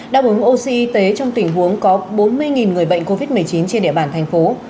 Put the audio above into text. đáp ứng oxy y tế trong tình huống có bốn mươi người bệnh covid một mươi chín trên địa bàn thành phố